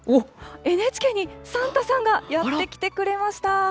ＮＨＫにサンタさんがやって来てくれました。